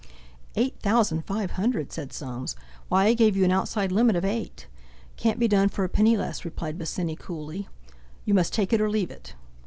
"Eight thousand five hundred?" said Soames. "Why, I gave you an outside limit of eight!" "Can't be done for a penny less," replied Bosinney coolly. "You must take it or leave it!"